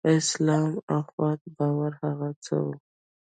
په اسلامي اخوت باور هغه څه وو.